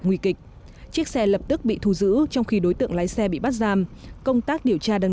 nguy kịch chiếc xe lập tức bị thu giữ trong khi đối tượng lái xe bị bắt giam công tác điều tra đang